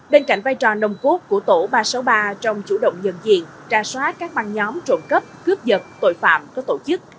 bên cạnh vai trò nông cốt của tổ ba trăm sáu mươi ba trong chủ động dân diện trà xóa các băng nhóm trộm cấp cướp dật tội phạm có tổ chức